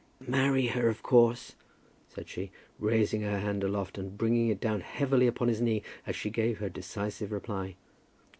"Marry her, of course," said she, raising her hand aloft and bringing it down heavily upon his knee as she gave her decisive reply.